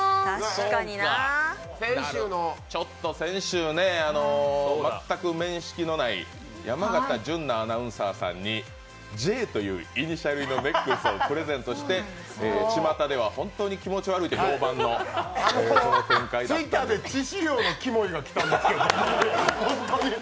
しゅーん先週ね、全く面識のない山形純菜アナウンサーにＪというイニシャル入りのネックレスをプレゼントして、ちまたでは本当に気持ち悪いと評場の。Ｔｗｉｔｔｅｒで致死量の「キモい」が来たんですけど。